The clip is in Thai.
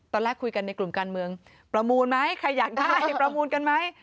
ตอนแรกคุยกันในกลุ่มการเมืองประมูลไหมใครอยากได้ประมูลกันไหม